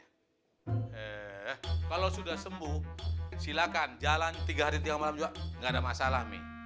eh kalau sudah sembuh silakan jalan tiga hari di tengah malam juga gak ada masalah umi